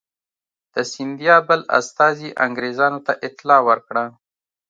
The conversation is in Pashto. د سیندیا بل استازي انګرېزانو ته اطلاع ورکړه.